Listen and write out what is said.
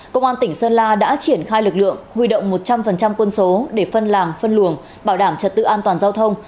công an tỉnh sơn la đã triển khai lực lượng huy động một trăm linh quân số để phân làng phân luồng bảo đảm trật tự an toàn giao thông